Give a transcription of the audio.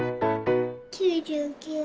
９９。